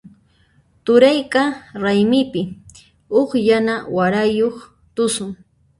Turayqa raymipi huk yana warayuq tusun.